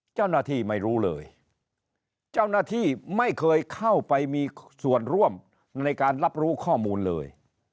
เจ้าหน้าที่ไม่รู้เลยเจ้าหน้าที่ไม่เคยเข้าไปมีส่วนร่วมในการรับรู้ข้อมูลเลย